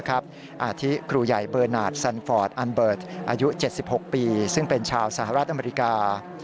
อาทิครูใหญ่เบอร์นาทสันฟอร์ดอันเบิร์ตอายุ๗๖ปีซึ่งเป็นชาวสหรัฐอเมริกา